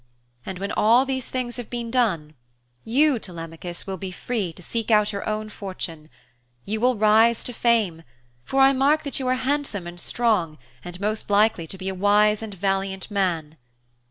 And when all these things have been done, you, Telemachus, will be free to seek out your own fortune: you will rise to fame, for I mark that you are handsome and strong and most likely to be a wise and valiant man.